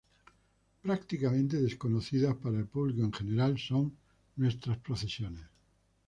Prácticamente desconocidas para el público en general son nuestras procesiones.